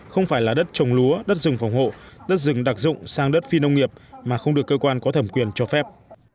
không phải là đất trồng lúa đất rừng phòng hộ đất rừng đặc dụng sang đất phi nông nghiệp mà không được cơ quan có thẩm quyền cho phép